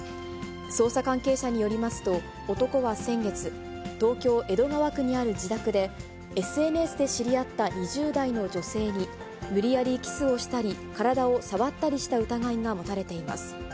捜査関係者によりますと、男は先月、東京・江戸川区にある自宅で、ＳＮＳで知り合った２０代の女性に、無理やりキスをしたり、体を触ったりした疑いが持たれています。